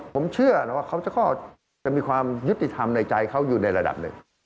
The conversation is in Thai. ผมเชื่อนะว่าเขาก็จะมีความยุติธรรมในใจเขาอยู่ในระดับหนึ่ง